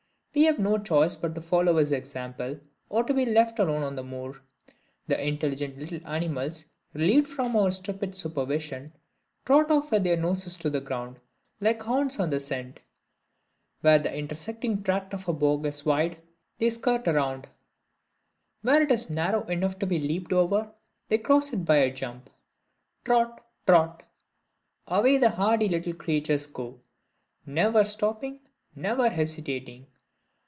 We have no choice but to follow his example, or to be left alone on the moor. The intelligent little animals, relieved from our stupid supervision, trot off with their noses to the ground, like hounds on the scent. Where the intersecting tract of bog is wide, they skirt round it. Where it is narrow enough to be leaped over, they cross it by a jump. Trot! trot! away the hardy little creatures go; never stopping, never hesitating.